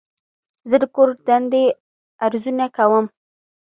زه د کور دندې ارزونه کوم.